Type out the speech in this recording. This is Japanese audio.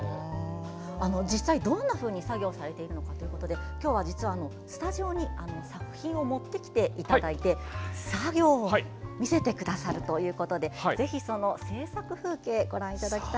実際、どんなふうに作業されているのかということで今日は実はスタジオに作品を持ってきていただいて作業を見せてくださるということでぜひ制作風景を。